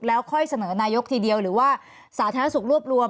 แล้วค่อยเสนอนายกทีเดียวหรือว่าสาธารณสุขรวบรวม